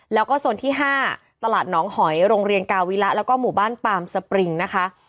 แล้วก็โซนที่๕ตลาดหนองหอยโรงเรียนกาวิระแล้วก็หมู่บ้านปามสปริงนะคะ